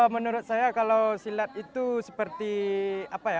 menurut saya kalau silat itu seperti apa ya